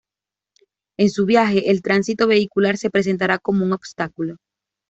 En su viaje, el tránsito vehicular se presentará como un obstáculo.